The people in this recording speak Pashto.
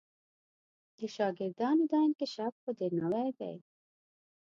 د شاګردانو دا انکشاف خو دې نوی دی.